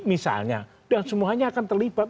misalnya dan semuanya akan terlibat